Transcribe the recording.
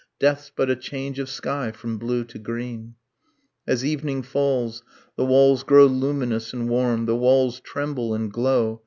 Death's but a change of sky from blue to green ... As evening falls, The walls grow luminous and warm, the walls Tremble and glow